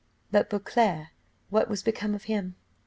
But Beauclerc, what was become of him?